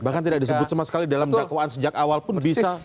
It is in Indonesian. bahkan tidak disebut sama sekali dalam dakwaan sejak awal pun bisa